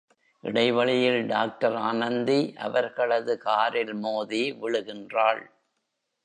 இடைவழியில் doctor Anandhi, அவர்களது காரில் மோதி விழுகின்றாள்.